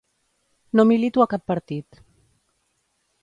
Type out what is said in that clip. No milito a cap partit.